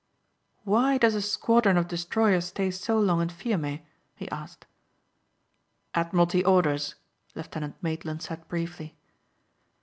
"Why does a squadron of destroyers stay so long in Fiume?" he asked. "Admiralty orders," Lieutenant Maitland said briefly.